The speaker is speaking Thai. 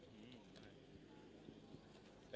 สวัสดีทุกคน